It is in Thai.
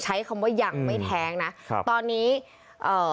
ใช้คำว่ายังไม่แท้งนะครับตอนนี้เอ่อ